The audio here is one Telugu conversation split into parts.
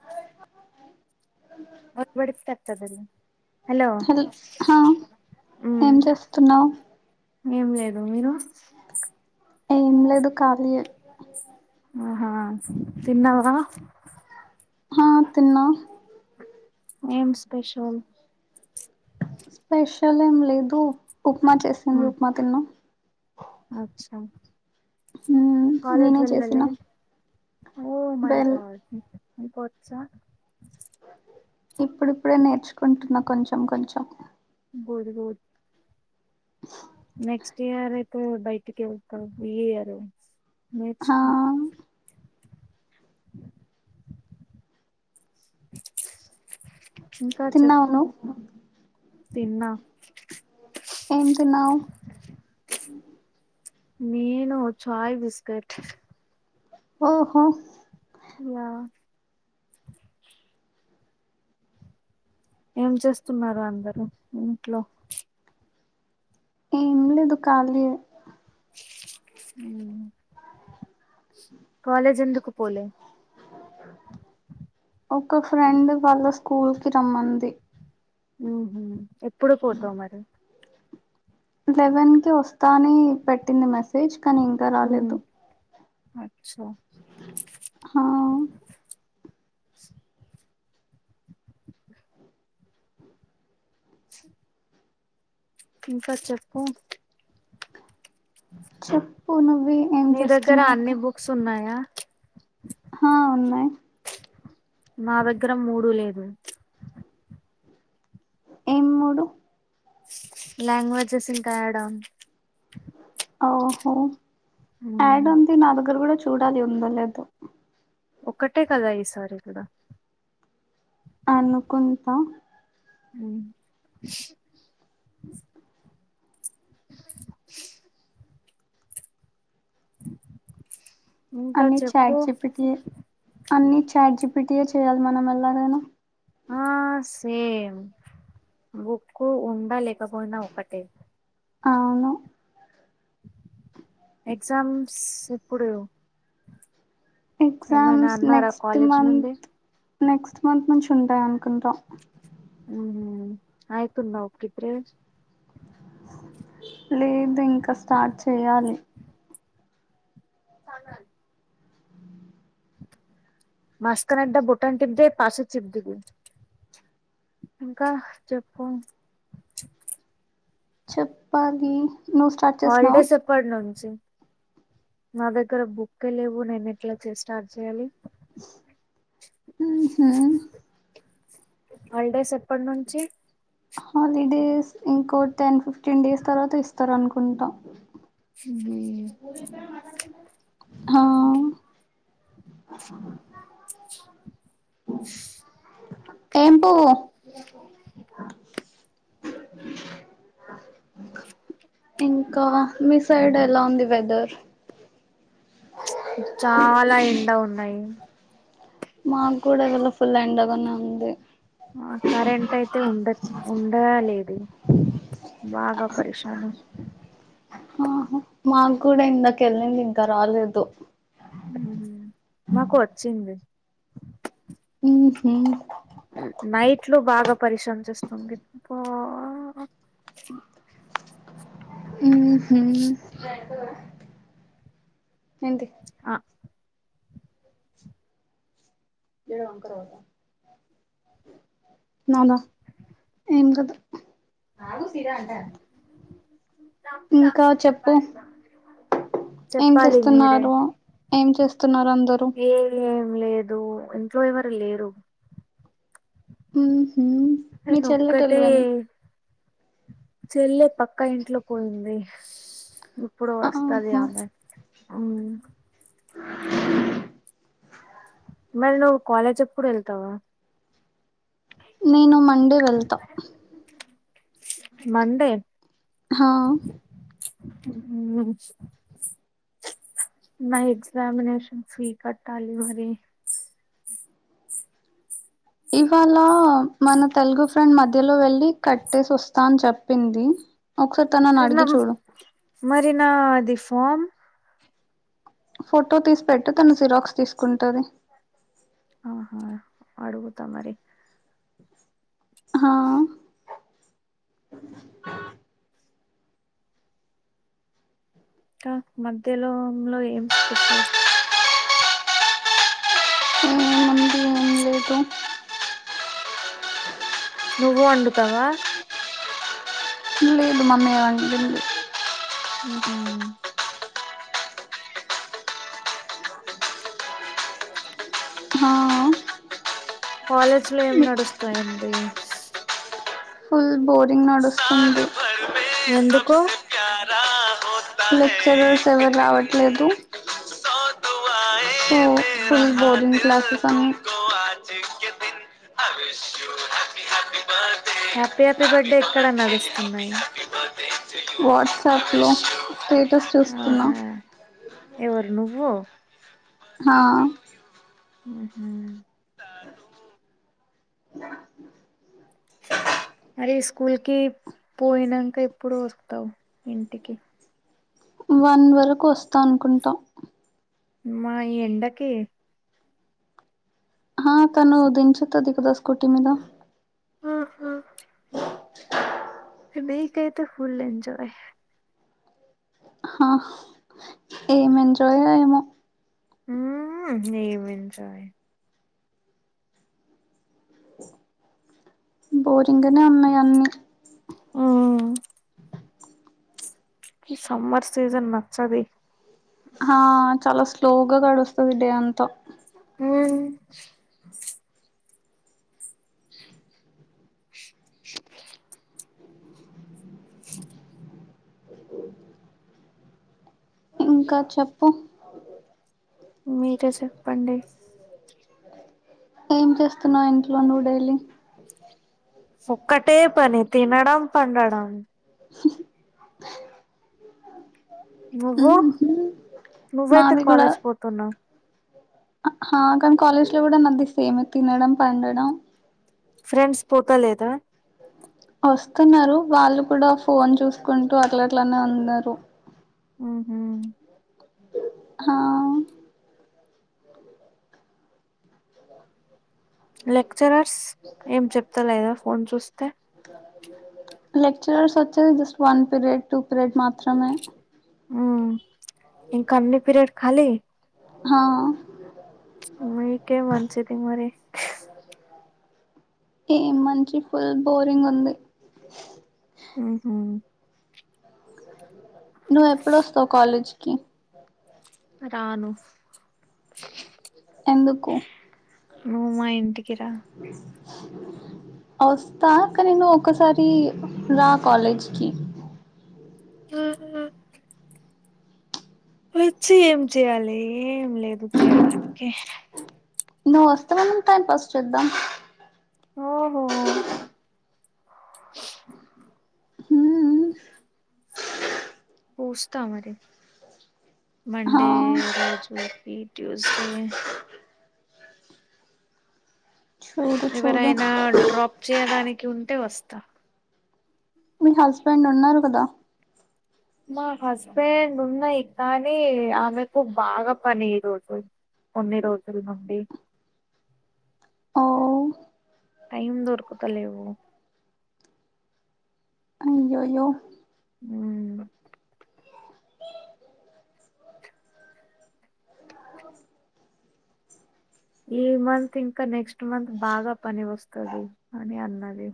అ బడిస్తద హలో ఉమ్ ఏం చేస్తున్నావు ఏం లేదు మీరు ఏం లేదు ఖాళీయే ఆహా తిన్నవ ఆ తిన్నా ఏం స్పెషల్ స్పెషల్ ఏం లేదు ఉప్మా చేసింది ఉమ్ ఉప్మా తిన్న అచ్చా మ్మ్ కాలేజ్ నేనే వెళ్ళలే చేసిన oh my bell god what's the ఇప్పుడిప్పుడే నేర్చుకుంటున్నా కొంచెం కొంచెం గుడ్ గుడ్ నెక్స్ట్ ఇయర్ అయితే బయటికి వెతావ్ ఈ ఇయరు హా ఇంకా తిన్నావా చెప్పు నువ్ తిన్నా ఏమ్ తినావ్ నేను చాయ్ బిస్కట్ హూ ఓహో యా ఏం చేస్తున్నార అందరు ఇంట్లో ఏమీ లేదు కాలియే ఉమ్ కాలేజ్ ఎందుకు పోలే ఒక ఫ్రెండ్ వాళ్ళ స్కూల్ కి రమ్మంది ఉమ్ హు ఎప్పుడు పోతావు మరి లెవెన్ కి వస్తా అని పెట్టింది మెసేజ్ కానీ ఇంకా ఉమ్ రాలేదు అచ్చా హా హు ఇంకా చెప్పు చెప్పు [unintelligible] నీ దగ్గర చేస్తున్నావు ఇంకా అన్ని బుక్స్ ఉన్నాయా హా ఉన్నాయ్ నా దగ్గర మూడు లేదు ఏం మూడు లాంగ్వేజెస్ ఇంక యాడ ఓహో యాడ్ మ్మ్. ఉంది నా దగ్గర కూడా చూడాలి ఉందో లేదో ఒక్కటే కదా ఈసారి ఇక్కడ అనుకుంటా ఉమ్ ఇంకా అన్ని చాట్ చెప్పు జీపీటీ అన్ని చాట్ జీపీటీ యే చేయ్యాలి మనం ఎల్లాగైనా ఆ సేమ్ బక్కు ఉండా లేకపోయినా ఒకటే అవును ఎగ్జామ్స్ ఇప్పుడు ఏమైనా ఎగ్జామ్స్ అన్నారా నెక్స్ట్ కాలేజ్ నుండి మంత్ నెక్స్ట్ మంత్ నుంచి ఉంటాయి అనుకుంటాం ఉ హు ఆయతున్నా పీప్రేన్స్ లేదు ఇంకా స్టార్ట్ చేయాలి సమ మస్కనడ్డా భూటన్ టిప్ ద పాశే చిిప్ దీగు ఇంకా చెప్పు చెప్పాలి నువ్వు స్టార్ట్ చేసినావా హలిడేస్ ఎప్పడి నుంచి నా దగ్గర బుక్కే లేవు నేను ఎట్లా చే స్టార్ట్ చేయాలి ఊ హు హల్డేస్ ఎప్పటి నుంచి హాలిడేస్ ఇంకో టెన్ ఫిఫ్టీన్ డేస్ తర్వాత ఇస్తారు అనుకుంటా ఆ అ ఎమ్ పువ్వు ఇంకా మీ సైడ్ ఎలా ఉంది వెదర్ చాలా ఎండ ఉన్నాయి మాకు కూడా ఫుల్ ఎండగానే ఉంది మాకు కరెంట్ అయితే ఉండ ఉండ లేదు బాగా పరిషాని ఊ హు మాక్కూడా ఇందాకెళ్ళింది ఇంకా రాలేదు మాకు వచ్చింది ఉహు నైట్లు బాగా పరేషాన్ చేస్తుంది పో ఊ హు ఏంది ఆ ఇడ అంకర పోతా నాద ఏం కదుా నమకి అక్షమ ఏర్పడ చెప్పాలి మీరే స్తున్నారు అందరు ఏ ఏం లేదు ఇంట్లో ఎవరు లేరు ఉహు మీ చెల్లెటోళ్ళు తనోక్కటే వెళ్ చెల్లె పక్కా ఇంట్లో పోయింది ఇప్పుడు వస్తది ఆహా అమె మరి నువ్వు కాలేజ్ ఎప్పుడు వెళ్తావా నేను మండే వెళ్తా మండే హ అ నా ఎగ్జామినేషన్ ఫీ కట్టాలి మరి ఇవాళ మన తెలుగు ఫ్రెండ్ మధ్యలో వెల్లి కట్టేసి వస్తాని చెప్పింది ఒకసా తనను మరి నా అడిగి చూడు మరి నాది ఫోమ్ ఫోటో తీసి పెట్టు తను జిరాక్స్ తీసుకుంటది ఆహా అడుగుత మరి హా క మధ్యలోంలో ఏం స్పెషల్ నీకు నువ్వు వండుతావా లేదు మమ్మీ వండింది ఊ హా కాలేజ్ లో ఏం నడుస్తా ఏంది ఫుల్ బోరింగ్ నడుస్తుంది ఎందుకు లెక్చరర్స్ ఎవర్ రావట్లేదు ఏవొ ఫుల్ బోరింగ్ క్లాసెస్ అన్ని day happy happy happy birthday ఎక్కడ నడుస్తున్నాయి బడే వాట్సాప్లో స్టేటస్ చూస్తున్నా ఎవర్ నువ్వు హా ఉహూ మరి స్కూల్ కి పోయినంక ఎప్పుడు వస్తావ్ ఇంటికి వన్ వరకు వస్తా అనుకుంటా మా ఈ ఎండకి హా తను దించతది కదా స్కూటీ మీద ఊహు ఆ మీకైతే ఫుల్ ఎంజాయ్ అహాహ్ ఏం ఎంజాయో ఏమో ఊమ్మ్ ఏం ఎంజాయ్ బోరింగనే ఉన్నయ్ అన్ని ఊమ్ ఈ సమ్మర్ సీజన్ నచ్చది హా చాలా స్లోగా గడుస్తది డే అంత ఊ శుక్ర ఇంకా చెప్పు మీరే చెప్పండి ఏం చేస్తున్నావ్ ఇంట్లో నువ్ డేలీ ఒక్కటే పని తినడం పండడం నువ్వు ఉహు నువ్వైతే నాది కూడా కాలేజ్ పోతున్నావ్ ఆ హా కాన్ కాలేజ్ లో గూడా నాది సేమె తినడం పండడం ఫ్రెండ్స్ పోతలేదా ఒస్తున్నారు వాళ్ళు కూడా ఫోన్ చూసుకుంటూ అట్ల అట్లనే ఉన్నరు ఊహు హా లెక్చరర్స్ ఏం చెప్తా లేదా ఫోన్ చూస్తే లక్చరర్స్ వచ్చే just one period two period మాత్రమే ఇంకా పిరియడ్ కాలీ హా మీకేం మంచిది మరి ఏం మంచి ఫుల్ బోరింగ్ ఉంది ఊహూ కి రాను ఎందుకు నుమా ఇంటికి రా వస్తా కాని నేను ఒకసారి రా కాలేజ్కిి ఆ వచ్చి ఏం చేయాలి ఏం లేదు చేయడానికి నువ్ వస్త మన టైమ్ పాస్ చేద్దాం ఓహో [inaudible] హ్మ్ చుస్త మరి ఆ మండే రోజుకి ట్యూస్డే చూడు చూడు ఎవరైనా డ్రాప్ చేయడానికి ఉంటే వస్తా మీ హస్బెండ్ ఉన్నారు కదా మా హస్బెండ్ ఉన్నాయి కానీ ఆమెకు బాగా పని ఈ రోజు కొన్ని రోజుల నుండి ఓ టైమ్ దొరుకుతా లేదు యోయో ఉ ఈ మంత్ ఇంకా నెక్స్ట్ మంత్ బాగా పని వస్తది అని అన్నది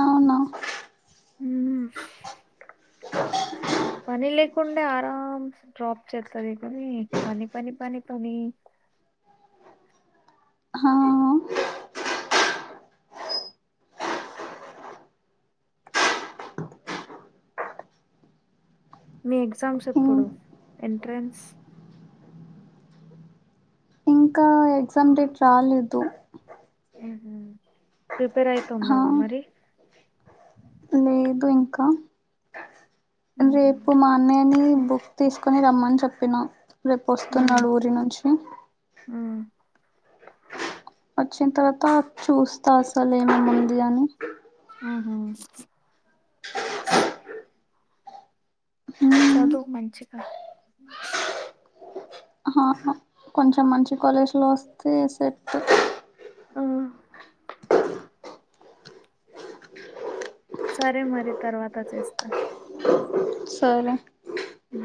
అవునా హ [inaudible] పని లేకుండా ఆరాం డ్రాప్ చేస్తుంది కానీ పని పని పని పని ఆ మీ ఎగ్జామ్స్ ఇం ఎప్పుడు ఎంట్రెన్స్ ఇంకా ఎగ్జామ్ డేట్ రాలేదు ఆహ ప్రిపేర్ అయిత ఆ ఉన్నావా మరి లేదు ఇంకా ఉహు రేపు మా అన్నయ్యని బుక్ తీసుకొని రమ్మని చెప్పిన రేపు ఉమ్ వస్తున్నాడు ఊరి నుంచి ఉమ్ వచ్చిన తర్వాత చూస్తా అసలు ఏంమేం ఉంది అని ఆహ హ్మ్ చదువు మంచిగా కొంచెం మంచి కాలేజీలో వస్తే సెట్ ఆ సరే మరి తర్వాత చేస్తా సరే ఉ